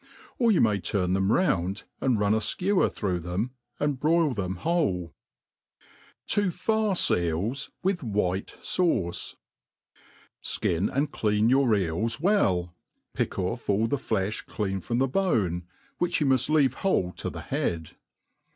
Or you may twa tbtoi round, and nni a (kewer through them, and broil thent n^hole* To farce Eels whh WhiU Sauce. SKIN and cl»n your eels well, pick ofF alh the fle£h cleaa from the bone, which you muft leave whole to the head. .